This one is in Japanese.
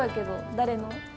誰の？